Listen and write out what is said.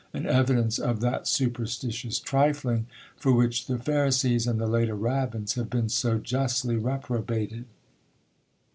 An evidence of that superstitious trifling, for which the Pharisees and the later Rabbins have been so justly reprobated.